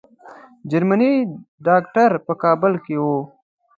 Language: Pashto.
جرمني ډاکټر په کابل کې وو.